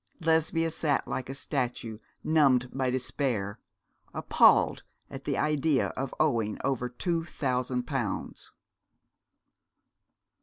Lesbia sat like a statue, numbed by despair, appalled at the idea of owing over two thousand pounds.